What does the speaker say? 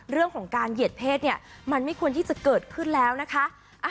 เรื่องของการเหยียดเพศเนี่ยมันไม่ควรที่จะเกิดขึ้นแล้วนะคะ